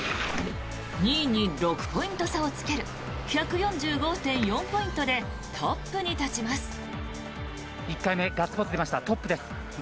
２位に６ポイント差をつける１４５．４ポイントでトップに立ちます。